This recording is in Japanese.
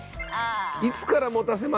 いつから持たせますか？